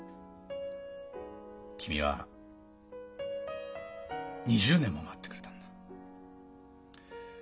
君は２０年も待ってくれたんだ。